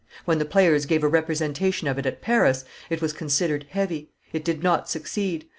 When the players gave a representation of it at Paris, it was considered heavy; it did not, succeed.